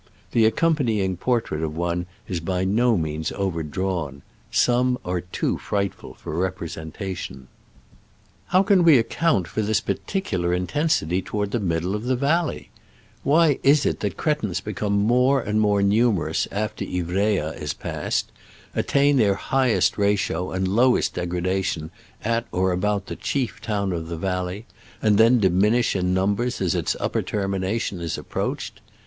The accompanying portrait of one is by no means overdrawn : some are too fright ful for representation. How can we account for this partic Digitized by Google SCRAMBLES AMONGST THE ALPS IN i86o '69. 129 ular intensity toward the middle of the valley ? Why is it that cretins become more and more numerous after Ivrea is passed, attain their highest ratio and lowest degradation at or about the chief town of the valley, and then diminish in numbers as its upper termination is ap proached